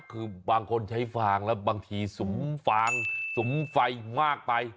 คือบางคนใช้ฟางแล้วบางทีสุมฟางสุมไฟมากไป